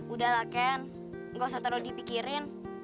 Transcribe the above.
udahlah ken gak usah terlalu dipikirin